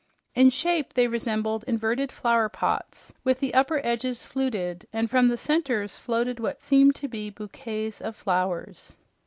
In shape they resembled inverted flowerpots, with the upper edges fluted, and from the centers floated what seemed to be bouquets of flowers.